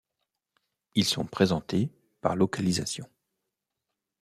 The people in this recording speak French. Ils sont présentés par localisation.